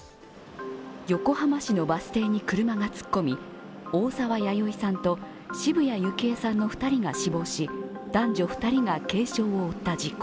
横浜市のバス停に車が突っ込み、大沢弥生さんと渋谷幸恵さんの２人が死亡し男女２人が軽傷を負った事故。